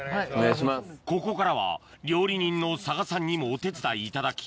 ここからは料理人の嵯峨さんにもお手伝いいただき